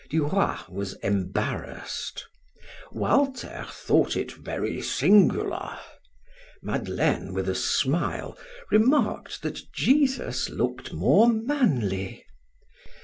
Du Roy was embarrassed. Walter thought it very singular; Madeleine, with a smile, remarked that Jesus looked more manly.